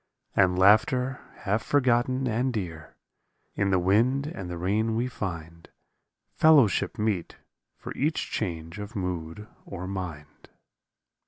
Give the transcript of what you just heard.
And laughter half forgotten and dear; In the wind and the rain we find Fellowship meet for each change of mood or mind.